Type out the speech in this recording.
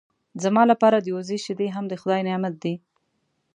زما لپاره د وزې شیدې هم د خدای نعمت دی.